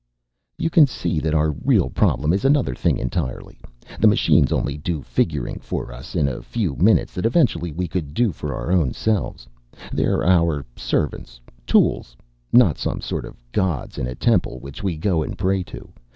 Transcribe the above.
"You can see that our real problem is another thing entirely. The machines only do figuring for us in a few minutes that eventually we could do for our own selves. They're our servants, tools. Not some sort of gods in a temple which we go and pray to.